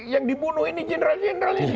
yang dibunuh ini jenderal jenderal ini